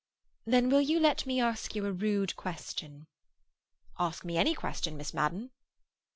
"Then will you let me ask you a rude question?" "Ask me any question, Miss Madden."